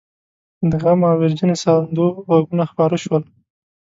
د غم او ويرجنې ساندو غږونه خپاره شول.